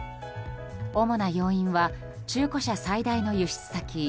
主な要因は中古車最大の輸出先